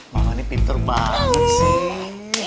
mama ini pinter banget sih